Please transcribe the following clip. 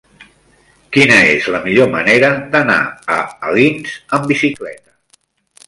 Quina és la millor manera d'anar a Alins amb bicicleta?